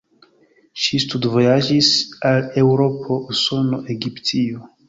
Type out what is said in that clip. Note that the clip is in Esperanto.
Ŝi studvojaĝis al Eŭropo, Usono, Egiptio.